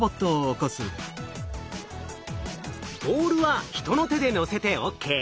ボールは人の手で載せてＯＫ。